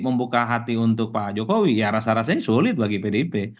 membuka hati untuk pak jokowi ya rasa rasanya sulit bagi pdip